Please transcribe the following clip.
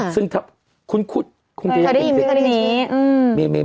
ซึ่งคุ้นคุดคุณบีบเกำซึ่ง